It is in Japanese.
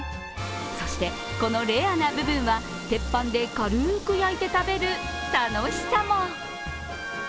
そして、このレアな部分は鉄板で軽く焼いて食べる楽しさも。